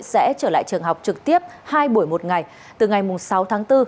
sẽ trở lại trường học trực tiếp hai buổi một ngày từ ngày sáu tháng bốn